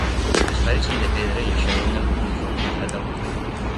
Les parets són de pedra i això dóna uniformitat al conjunt.